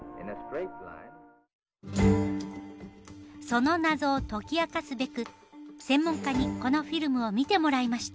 その謎を解き明かすべく専門家にこのフィルムを見てもらいました。